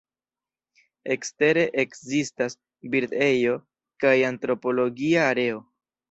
Ekstere ekzistas bird-ejo kaj antropologia areo.